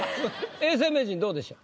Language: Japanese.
永世名人どうでしょう？